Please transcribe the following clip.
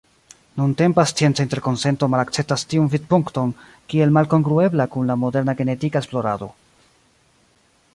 Nuntempa scienca interkonsento malakceptas tiun vidpunkton kiel malkongruebla kun la moderna genetika esplorado.